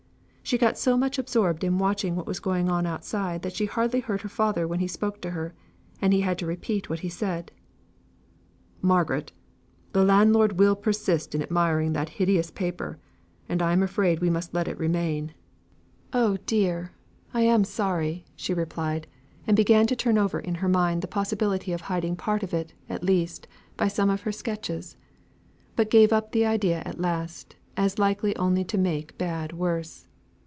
She got so much absorbed in watching what was going on outside that she hardly heard her father when he spoke to her, and he had to repeat what he said: "Margaret! the landlord will persist in admiring that hideous paper, and I am afraid we must let it remain." "Oh dear! I am sorry!" she replied, and began to turn over in her mind the possibility of hiding part of it, at least, by some of her sketches, but gave up the idea at last, as likely only to make bad worse.